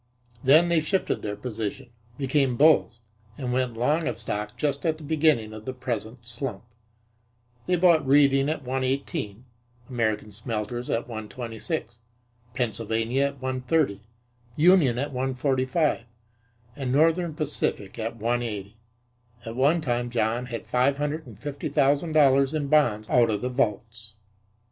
Then they shifted their position, became bulls and went long of stock just at the beginning of the present slump. They bought Reading at 118, American Smelters at 126, Pennsylvania at 130, Union at 145, and Northern Pacific at 180. At one time John had five hundred and fifty thousand dollars in bonds out of the vaults.